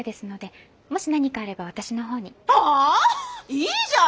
いいじゃん。